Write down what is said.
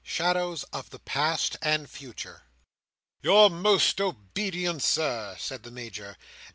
Shadows of the Past and Future Your most obedient, Sir," said the Major.